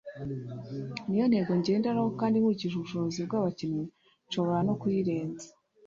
niyo ntego ngenderaho kandi nkurikije ubushobozi bw’abakinnyi nshobora no kuyirenza”